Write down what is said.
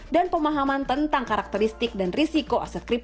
dan pemahaman tentang karakteristik dan risiko